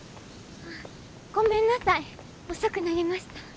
ごめんなさい遅くなりました。